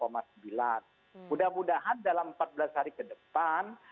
mudah mudahan dalam empat belas hari ke depan